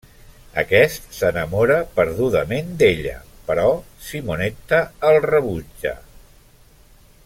Aquest s'enamora perdudament d'ella, però Simonetta el rebutja.